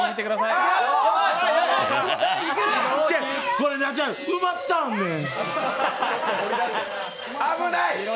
これ、ちゃう、埋まってはんねん。